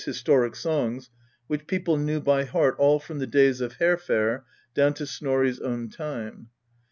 historic songs, which people knew by heart all from the days of Hairfair down to Snorri's own tirhe.